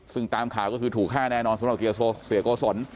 ซึ่งตามข่าวก็คือถูกฆ่าแน่นอนสำหรับเกียรติศัพท์เสียโกศล